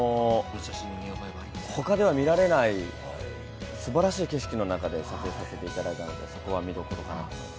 他では見られないすばらしい景色の中で撮影させていただいたので、そこは見どころかなと思います。